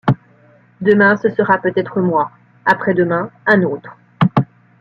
Demain, ce sera peut-être moi, après-demain un autre.